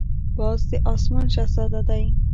باز د آسمان شهزاده دی